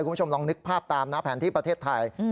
คุณผู้ชมลองนึกภาพตามนะแผนที่ประเทศไทย